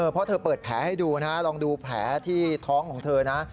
เพราะเธอเปิดแผลให้ดูนะลองดูแผลที่ท้องของเธอนะ